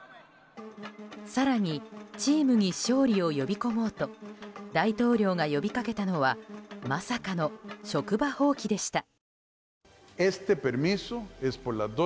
更に、チームに勝利を呼び込もうと大統領が呼びかけたのはまさかの職場放棄でした。